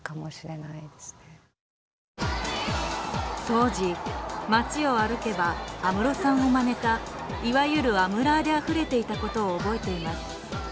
当時街を歩けば安室さんをまねたいわゆるアムラーであふれていたことを覚えています。